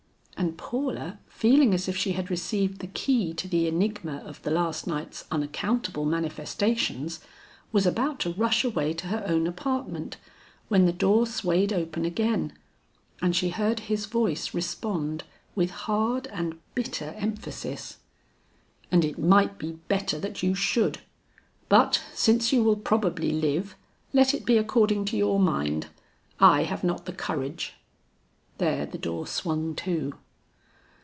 And Paula feeling as if she had received the key to the enigma of the last night's unaccountable manifestations, was about to rush away to her own apartment, when the door swayed open again and she heard his voice respond with hard and bitter emphasis, "And it might be better that you should. But since you will probably live, let it be according to your mind. I have not the courage " There the door swung to.